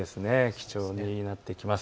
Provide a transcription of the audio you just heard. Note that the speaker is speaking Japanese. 貴重になってきます。